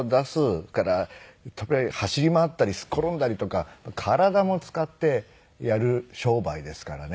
それから走り回ったりすっ転んだりとか体も使ってやる商売ですからね。